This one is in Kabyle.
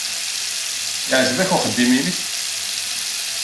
Yeɛjeb-ak uxeddim-nnek?